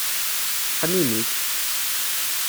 Qqen imi-k!